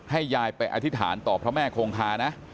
ยายไปอธิษฐานต่อพระแม่คงคานะ